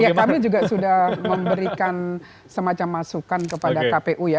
ya kami juga sudah memberikan semacam masukan kepada kpu ya